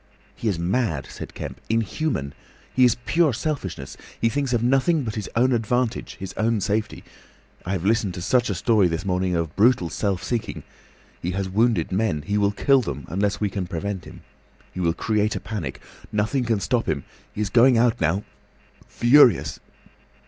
"He is mad," said Kemp; "inhuman. He is pure selfishness. He thinks of nothing but his own advantage, his own safety. I have listened to such a story this morning of brutal self seeking.... He has wounded men. He will kill them unless we can prevent him. He will create a panic. Nothing can stop him. He is going out now—furious!"